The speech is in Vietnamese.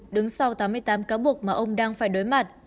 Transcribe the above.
đứng sau tám mươi tám cáo buộc mà ông đang phải đối mặt